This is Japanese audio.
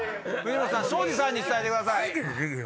藤本さん庄司さんに伝えてください。